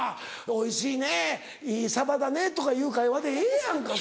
「おいしいねいいサバだね」とかいう会話でええやんか。